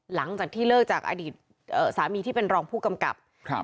หลังจากที่เลิกจากอดีตสามีที่เป็นรองผู้กำกับครับ